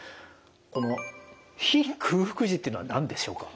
この非空腹時っていうのは何でしょうか？